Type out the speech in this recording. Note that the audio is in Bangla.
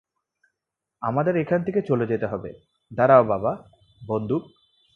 আমাদের এখান থেকে চলে যেতে হবে - দাঁড়াও, বাবা, বন্দুক।